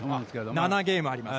７ゲーム差あります。